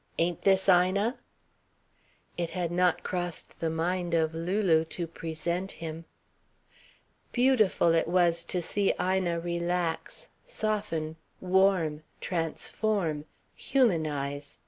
Ain't this Ina?" It had not crossed the mind of Lulu to present him. Beautiful it was to see Ina relax, soften, warm, transform, humanise.